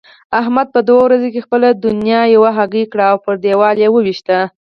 احمد په دوو ورځو کې خپله دونيا یوه هګۍکړ او پر دېوال يې وويشت.